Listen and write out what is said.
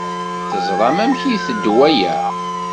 Teẓṛam amek i iteddu waya?